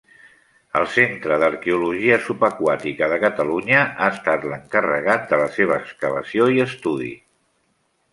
El Centre d'Arqueologia Subaquàtica de Catalunya ha estat l'encarregat de la seva excavació i estudi.